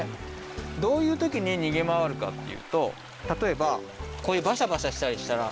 どういうときににげまわるかっていうとたとえばこういうバシャバシャしたりしたら。